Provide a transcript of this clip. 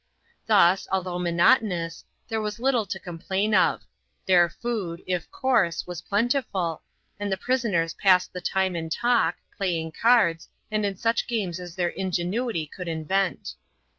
Thus, although monotonous, there was little to complain of; their food, if coarse, was plentiful, and the prisoners passed the time in talk, playing cards, and in such games as their ingenuity could invent.